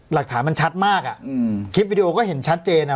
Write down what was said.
หลักฐานมันชัดมากอ่ะคลิปวิดีโอก็เห็นชัดเจน